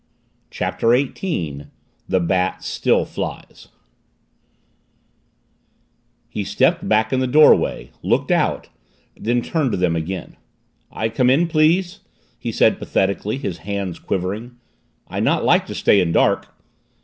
CHAPTER EIGHTEEN THE BAT STILL FLIES He stepped back in the doorway, looked out, then turned to them again. "I come in, please?" he said pathetically, his hands quivering. "I not like to stay in dark."